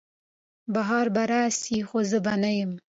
بهار به راسي خو زه به نه یم